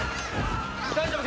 大丈夫か！？